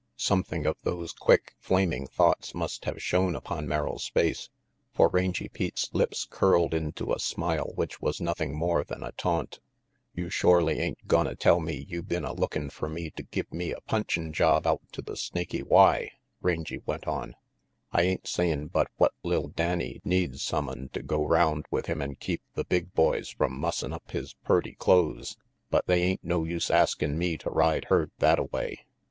Something of those quick, flaming thoughts must have shown upon Merrill's face, for Rangy Pete's lips curled into a smile which was nothing more than a taunt. "You shorely ain't gonna tell me you been a lookin' fer me to give me a punchin' job out to the Snaky Y," Rangy went on. "I ain't sayin' but what li'l Danny needs sumone to go round with him an' keep the big boys from mussin' up his purty clothes, but they ain't no use askin' me to ride herd thattaway.